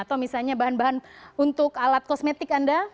atau misalnya bahan bahan untuk alat kosmetik anda